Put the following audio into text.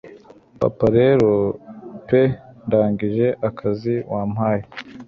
Papa rero pe ndangije akazi wampaye